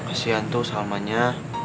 kasihan tuh salmanya